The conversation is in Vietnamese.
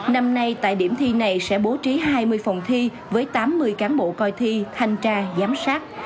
năm nay tại điểm thi này sẽ bố trí hai mươi phòng thi với tám mươi cán bộ coi thi thanh tra giám sát